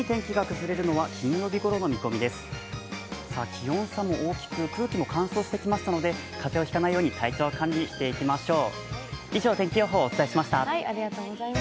気温差も大きく、空気も乾燥してきましたので、風邪をひかないように体調管理していきましょう。